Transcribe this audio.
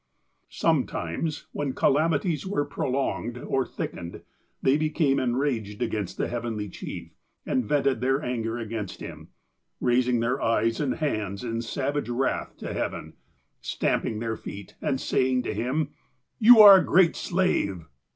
Sometimes, when calamities were prolonged or thick ened, they became enraged against the Heavenly Chief, and vented their anger against him, raising their eyes and hands in savage wrath to heaven, stamping their feet, and saying to him : "You are a great slave